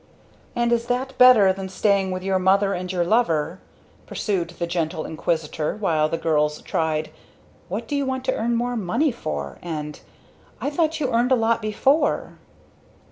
"And is that better than staying with your mother and your lover?" pursued the gentle inquisitor; while the girls tried, "What do you want to earn more money for?" and "I thought you earned a lot before."